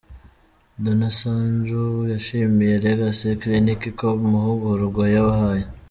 Dona Sanju, yashimiye Legacy Clinic ko mahugurwa yabahaye.